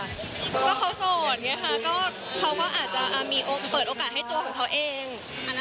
ก็เขาโสดไงค่ะก็เขาก็อาจจะเปิดโอกาสให้ตัวของเขาเอง